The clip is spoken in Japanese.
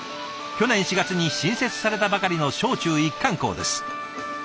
去年４月に新設されたばかりの小中一貫校です。